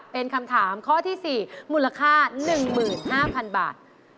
เป็นคำถามข้อที่๔มูลค่า๑๕๐๐๐บาท